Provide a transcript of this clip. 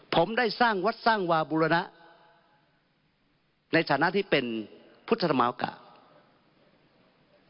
ผมได้สร้างวัดสร้างวาบุรณะในฐานะที่เป็นพุทธธรรมกาศ